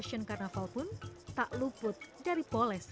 jangan lupa di